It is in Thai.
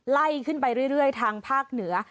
ไล่ขึ้นไปเรื่อยทางภาคเหนือ